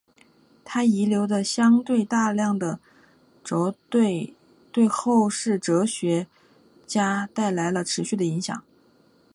他遗留的相对大量的着作对后世哲学家带来了持续的影响。